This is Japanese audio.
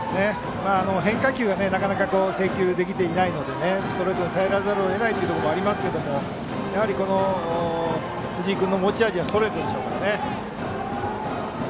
変化球がなかなか制球できていないのでストレートに頼らざるを得ませんが辻井君の持ち味はストレートでしょうからね。